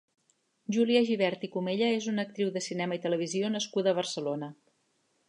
Júlia Gibert i Comella és una actriu de cinema i televisió nascuda a Barcelona.